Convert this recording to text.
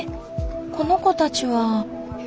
この子たちは。